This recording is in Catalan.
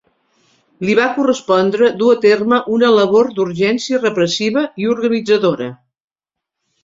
Li va correspondre dur a terme una labor d'urgència repressiva i organitzadora.